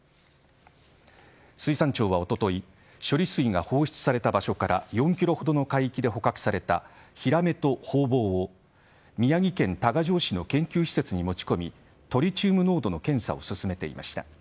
水産庁はおととい処理水が放出された場所から４キロほどの海域で捕獲されたヒラメとホウボウを宮城県多賀城市の研究施設に持ち込みトリチウム濃度の検査を進めていました。